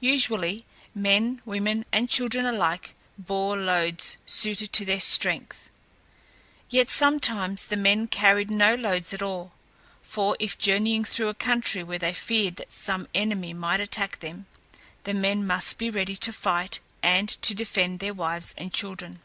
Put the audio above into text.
Usually men, women, and children alike bore loads suited to their strength. Yet sometimes the men carried no loads at all, for if journeying through a country where they feared that some enemy might attack them, the men must be ready to fight and to defend their wives and children.